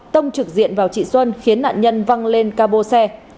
tông trực diện vào chị xuân khiến nạn nhân văng lên ca bô xe